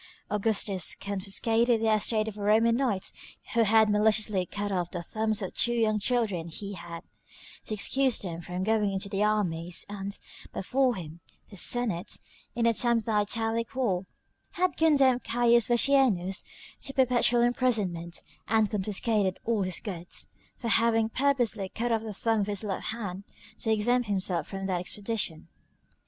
Augustus confiscated the estate of a Roman knight who had maliciously cut off the thumbs of two young children he had, to excuse them from going into the armies; and, before him, the Senate, in the time of the Italic war, had condemned Caius Vatienus to perpetual imprisonment, and confiscated all his goods, for having purposely cut off the thumb of his left hand, to exempt himself from that expedition.